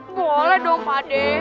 boleh dong pak d